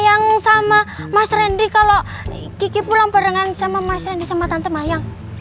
yang sama mas randy kalau kiki pulang barengan sama mas rendy sama tante mayang